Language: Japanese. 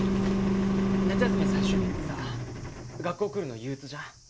夏休み最終日ってさ学校来るの憂鬱じゃん。